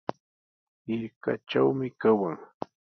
Hirkatrawmi kawan.